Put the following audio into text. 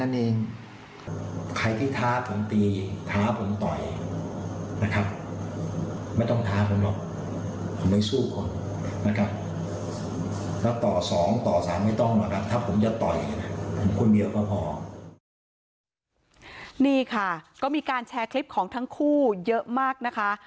นี่ค่ะก็มีการแชร์คลิปของทั้งคู่เยอะมากนะคะ